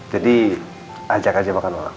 jadi ajak aja makan malam